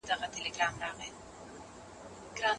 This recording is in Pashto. اورېدل تر لیکلو د بهرنیو ژبو.